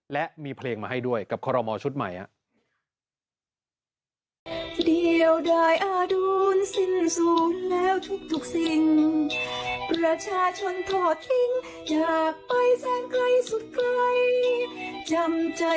และมีเพลงมาให้ด้วยกับคอรมอลชุดใหม่ครับ